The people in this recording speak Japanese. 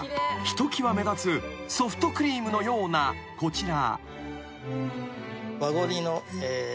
［ひときわ目立つソフトクリームのようなこちら］